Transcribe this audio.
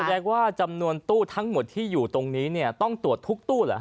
แสดงว่าจำนวนตู้ทั้งหมดที่อยู่ตรงนี้เนี่ยต้องตรวจทุกตู้เหรอฮ